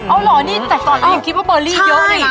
อ๋อเหรอแต่ก่อนมีคิดว่าเบอรี่เยอะเลยนะ